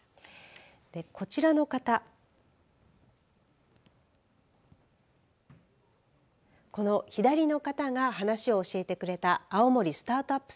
こちらの方この左の方が話を教えてくれた青森スタートアップ